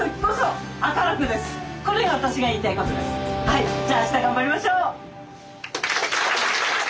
はいじゃあ明日頑張りましょう！